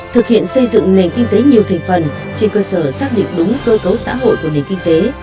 thực hiện xây dựng nền kinh tế nhiều thành phần trên cơ sở xác định đúng cơ cấu xã hội của nền kinh tế